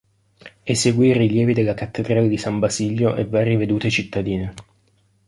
Eseguì i rilievi della cattedrale di San Basilio e varie vedute cittadine.